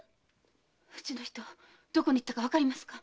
うちの人どこに行ったかわかりますか？